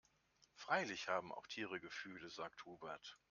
Freilich haben auch Tiere Gefühle, sagt Hubert.